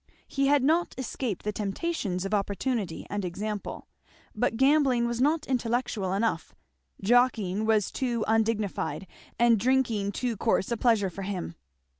He had not escaped the temptations of opportunity and example. But gambling was not intellectual enough, jockeying was too undignified, and drinking too coarse a pleasure for him.